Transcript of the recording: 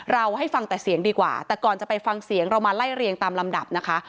ให้ฟังแต่เสียงดีกว่าแต่ก่อนจะไปฟังเสียงเรามาไล่เรียงตามลำดับนะคะ